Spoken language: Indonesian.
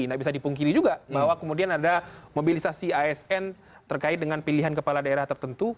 tidak bisa dipungkiri juga bahwa kemudian ada mobilisasi asn terkait dengan pilihan kepala daerah tertentu